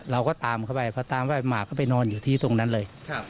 เราก็ตามเข้าไปเพราะตามว่าหมาก็ไปนอนอยู่ที่ตรงนั้นเลย